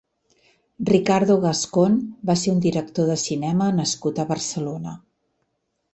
Ricardo Gascón va ser un director de cinema nascut a Barcelona.